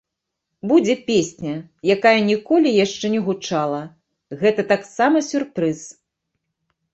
Будзе песня, якая ніколі яшчэ не гучала, гэта таксама сюрпрыз.